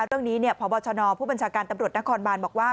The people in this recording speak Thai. เรื่องนี้พบชนผู้บัญชาการตำรวจนครบานบอกว่า